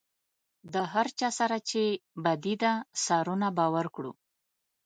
د هر چا سره چې بدي ده سرونه به ورکړو.